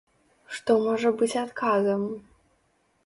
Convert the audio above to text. Што можа быць адказам?